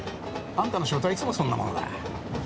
あんたの仕事はいつもそんなものだ。